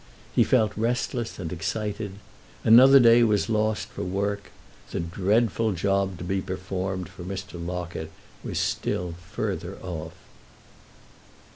He felt restless and excited; another day was lost for work—the dreadful job to be performed for Mr. Locket was still further off.